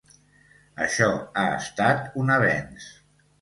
Això ha estat un avenç.